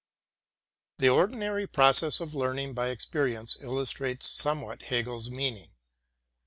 The ordinary process of learning by experience illustrates somewhat Hegel's meaning.